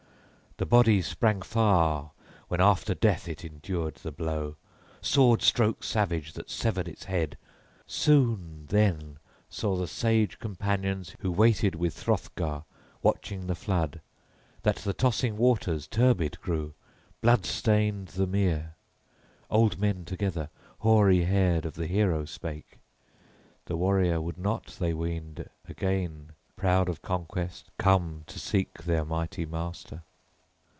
The body sprang far when after death it endured the blow, sword stroke savage, that severed its head. Soon, {23a} then, saw the sage companions who waited with Hrothgar, watching the flood, that the tossing waters turbid grew, blood stained the mere. Old men together, hoary haired, of the hero spake; the warrior would not, they weened, again, proud of conquest, come to seek their mighty master.